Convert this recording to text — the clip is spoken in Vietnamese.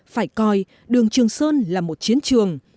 phải coi đường trường sơn là một chiến trường